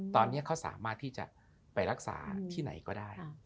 ตอนนี้เขาสามารถที่จะไปรักษาที่ไหนก็ได้